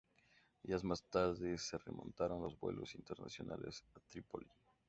Días más tarde se retomaron los vuelos internacionales a Trípoli.